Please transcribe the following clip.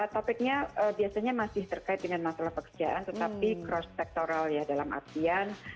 topiknya biasanya masih terkait dengan masalah pekerjaan tetapi cross sektoral ya dalam artian